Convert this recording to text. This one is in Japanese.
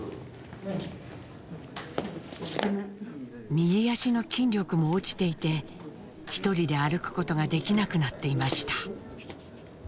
右足の筋力も落ちていて一人で歩くことができなくなっていました。